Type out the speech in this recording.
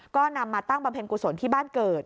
ก็นำมาตั้งบำเพ็ญกุศลที่บ้านเกิด